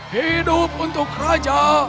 hidup untuk raja